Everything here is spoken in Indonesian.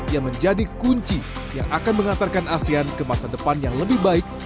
yang menjadi kunci yang akan mengantarkan asean ke masa depan yang lebih baik